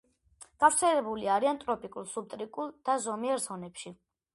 გავრცელებული არიან ტროპიკულ, სუბტროპიკულ და ზომიერ ზონებში.